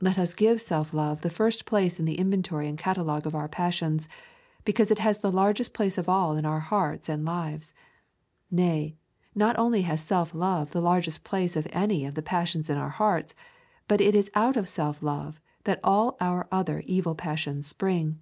Let us give self love the first place in the inventory and catalogue of our passions, because it has the largest place in all our hearts and lives. Nay, not only has self love the largest place of any of the passions of our hearts, but it is out of self love that all our other evil passions spring.